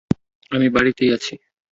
আমি বাড়িতেই আছি।